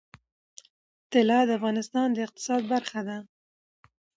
طلا د افغانستان د اقتصاد برخه ده.